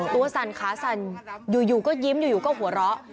อ๋อตัวสั่นขาสั่นอยู่อยู่ก็ยิ้มอยู่อยู่ก็หัวเราะ